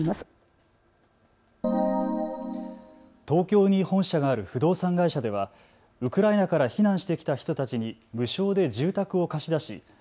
東京に本社がある不動産会社ではウクライナから避難してきた人たちに無償で住宅を貸し出し